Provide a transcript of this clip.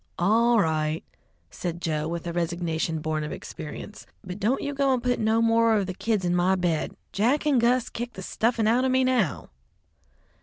"All right," said Joe with a resignation born of experience, "but don't you go and put no more of the kids in my bed. Jack and Gus kick the stuffin' out of me now."